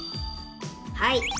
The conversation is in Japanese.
はい。